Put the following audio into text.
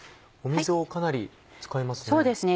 水をかなり使いますね。